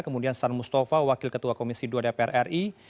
kemudian san mustafa wakil ketua komisi ii dpr ri